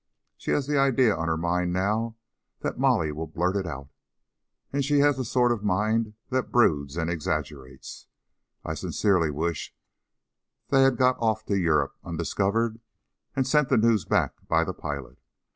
She has the idea on her mind now that Molly will blurt it out, and she has the sort of mind that broods and exaggerates. I sincerely wish they had got off to Europe undiscovered and sent the news back by the pilot.